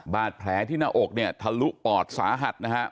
บาดแผลที่หน้าอกเนี่ยทะลุปอดสาหัสนะครับ